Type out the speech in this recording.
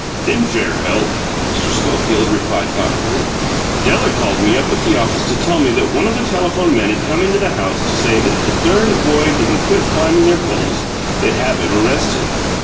"In fair health," Mr. Schofield replied thoughtfully. "Della called me up at the office to tell me that one of the telephone men had come into the house to say that if that durn boy didn't quit climbing their poles they'd have him arrested.